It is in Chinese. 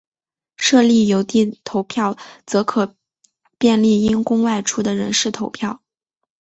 设立邮递投票则可便利因公外出的人士投票。